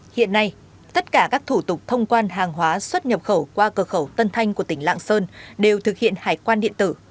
hiện nay tất cả các thủ tục thông quan hàng hóa xuất nhập khẩu qua cửa khẩu tân thanh của tỉnh lạng sơn đều thực hiện hải quan điện tử